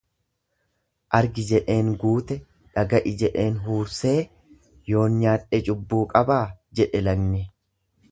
Argi jedheen guute, dhaga'i jedheen huursee, yoon nyaadhe cubbuu qabaa jedhe lagni.